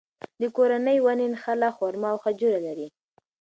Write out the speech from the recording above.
د کورنۍ ونې نخله، خورما او خجوره لري.